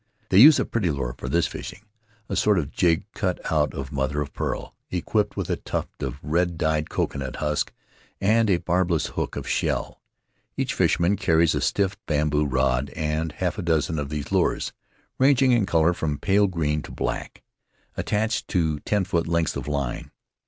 They use a pretty lure for this fishing — a sort of jig cut out of mother of pearl, equipped with a tuft of red dyed coconut husk and a barbless hook of shell. Each fisherman carries a stiff bamboo rod and half a dozen of these lures — ranging in color from pale green to black — attached to ten foot lengths of line.